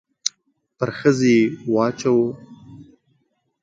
پر ښځې يې واچاوه.